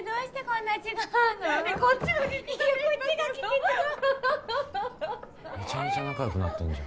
めちゃめちゃ仲良くなってんじゃん。